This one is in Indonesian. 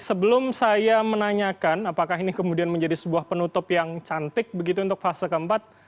sebelum saya menanyakan apakah ini kemudian menjadi sebuah penutup yang cantik begitu untuk fase keempat